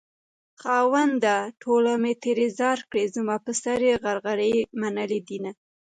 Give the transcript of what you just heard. خاونده ټوله مې ترې ځار کړې زما په سر يې غرغرې منلي دينه